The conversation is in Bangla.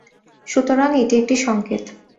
সুতরাং এটি একটি সংকেত।